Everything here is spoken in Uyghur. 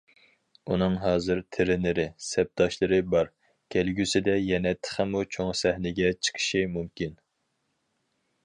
ئۇنىڭ ھازىر تىرېنېرى، سەپداشلىرى بار، كەلگۈسىدە يەنە تېخىمۇ چوڭ سەھنىگە چىقىشى مۇمكىن.